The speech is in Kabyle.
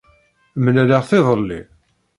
Mlaleɣ-t iḍelli.